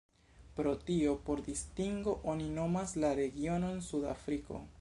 Pro tio por distingo oni nomas la regionon "Suda Afriko".